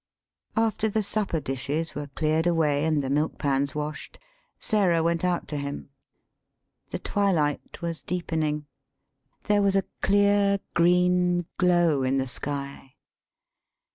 After the supper dishes were cleared away and the milk pans washed, Sarah went out to him. The twilight was deepening. There was a clear green glow in the sky.